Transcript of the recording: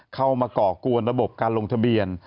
เข้ามาก่อกวนระบบการลงทะเบียน